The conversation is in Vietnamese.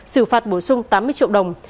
sử phạt bổ sung tám mươi triệu đồng